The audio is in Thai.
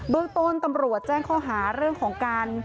เรื่องต้นตำรวจแจ้งข้อหาเรื่องของการ